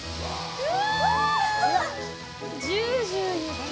うわ！